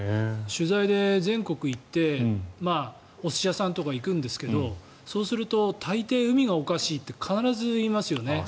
取材で全国に行ってお寿司屋さんとかに行くんですけどそうするとたいてい、海がおかしいって必ず言いますよね。